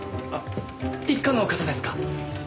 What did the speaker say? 一課の方ですか？